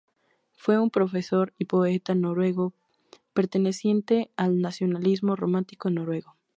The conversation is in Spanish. Fue un profesor y poeta noruego, perteneciente al nacionalismo romántico noruego.